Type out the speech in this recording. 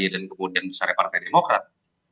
dan kemudian besarnya partai demokrat